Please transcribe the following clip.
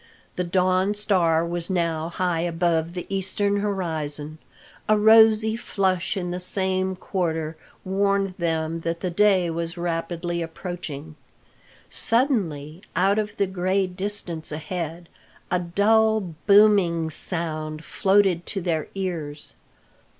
The dawn star was now high above the eastern horizon. A rosy flush in the same quarter warned them that day was rapidly approaching. Suddenly, out of the gray distance ahead, a dull booming sound floated to their ears.